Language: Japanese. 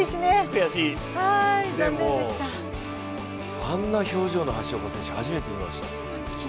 悔しい、でもあんな表情の橋岡選手、初めて見ました。